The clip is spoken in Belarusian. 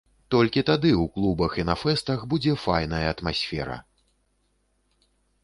Толькі тады ў клубах і на фэстах будзе файная атмасфера.